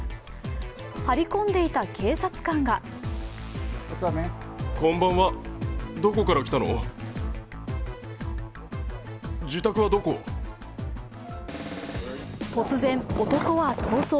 張り込んでいた警察官が突然、男は逃走。